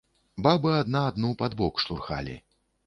Бабы адна адну пад бок штурхалі.